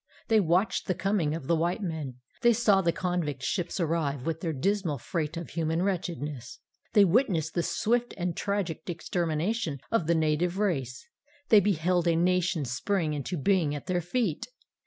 They watched the coming of the white men; they saw the convict ships arrive with their dismal freight of human wretchedness; they witnessed the swift and tragic extermination of the native race; they beheld a nation spring into being at their feet!